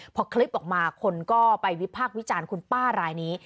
พอคลิปออกมาคนก็ไปวิพากษ์วิจารณ์คุณป้ารายนี้